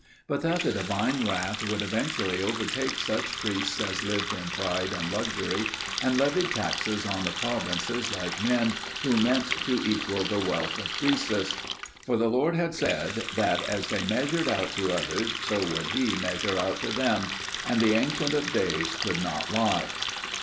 But that the divine wrath would eventually overtake such priests as lived in pride and luxury, and levied taxes on the provinces like men, who meant to equal the wealth of Croesus: "for the Lord had said, that as they measured out to others, so would he measure out to them: and the Ancient of Days could not lie."